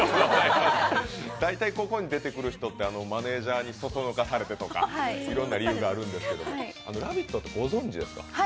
大体ここに出てくる人って、マネージャーにそそのかされてとか、いろんな理由があるんですけど「ラヴィット！」ってご存じですか？